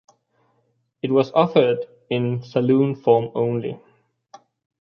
It was offered in saloon form only.